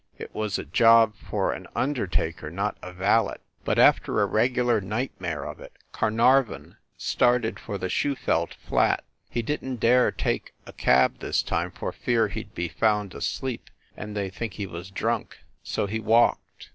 It was a job for an undertaker, not a valet. But after a regular nightmare of it Carnarvon started for the Schufelt flat. He didn t dare take a cab this time, for fear he d be found asleep and they d think he was drunk. So he walked.